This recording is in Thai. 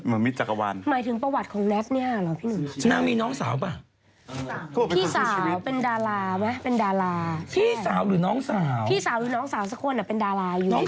หมายถึงประวัติของแน็ตเนี่ยหรอพี่หิว